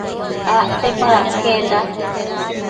Acte paë aquenda